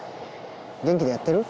元気でやってる？